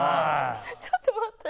ちょっと待って。